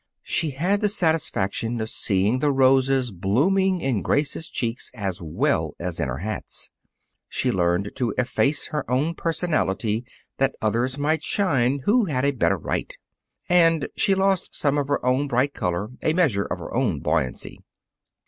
She had the satisfaction of seeing the roses blooming in Grace's cheeks as well as in her hats. She learned to efface her own personality that others might shine who had a better right. And she lost some of her own bright color, a measure of her own buoyancy.